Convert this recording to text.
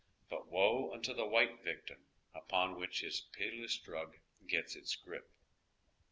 But woe unto the white victim upon which his pitiless drug gets its grip